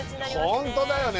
本当だよね。